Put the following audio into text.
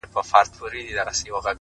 پوه انسان د پوښتنې اهمیت درک کوي؛